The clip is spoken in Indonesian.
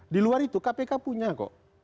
di luar itu kpk punya kok